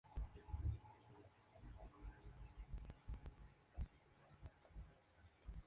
Inicialmente, Clouseau sólo interpretaba en actos locales, los cuales eran exitosos.